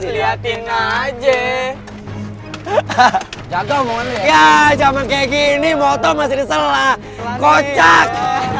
lihatin aja hahaha jaga omongannya ya zaman kayak gini mau tau masih diselah kocak